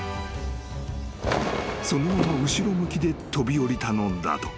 ［そのまま後ろ向きで飛び降りたのだと］